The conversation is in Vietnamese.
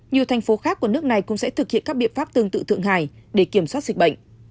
nhiều thành phố khác của nước này cũng sẽ thực hiện các biện pháp tương tự thượng hải để kiểm soát dịch bệnh